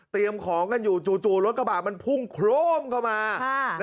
เตรียมของกันอยู่จู่จู่รถกระบาดมันพุ่งโครมเข้ามาครับ